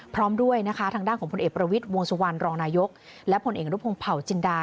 พร้อมด้วยทางด้านของพลเอกประวิทธิ์วงสวรรค์รองนายุทธและพลเอกรูปภาวจินดา